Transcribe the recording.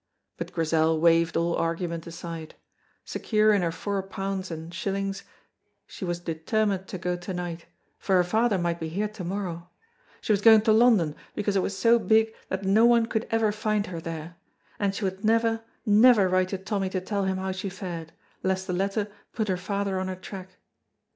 But Grizel waived all argument aside; secure in her four pounds and shillings she was determined to go to night, for her father might be here to morrow; she was going to London because it was so big that no one could ever find her there, and she would never, never write to Tommy to tell him how she fared, lest the letter put her father on her track.